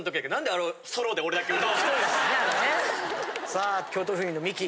さあ京都府民のミキ。